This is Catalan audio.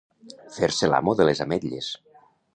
Fer-se l'amo de les ametlles.